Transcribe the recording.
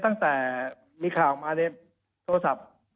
ตั้งแต่มีข่าวออกมา